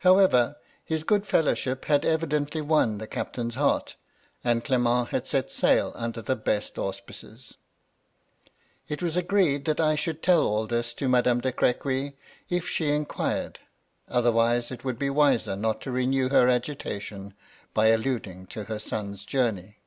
However, his good fellowship had evidently won the captain's heart, and Clement had set sail under the best auspices. It was agreed that I should tell all this to Madame de Crequy, if she in quired ; otherwise, it would be wiser not to renew her agitation by alluding to her son's journey.